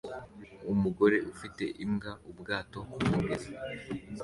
Umugore ufite imbwa ubwato kumugezi